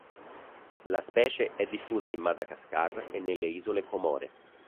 La specie è diffusa in Madagascar e nelle isole Comore.